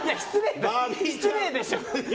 失礼でしょ。